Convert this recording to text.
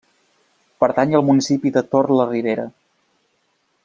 Pertany al municipi de Tor-la-ribera.